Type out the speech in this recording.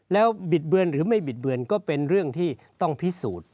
แล้วบิดเบือนหรือไม่บิดเบือนก็เป็นเรื่องที่ต้องพิสูจน์